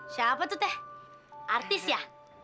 siapa tuh teh artis ya